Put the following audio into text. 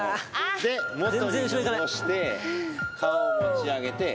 で元に戻して顔を持ち上げて。